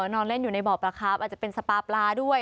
นอนเล่นอยู่ในบ่อปลาครับอาจจะเป็นสปาปลาด้วย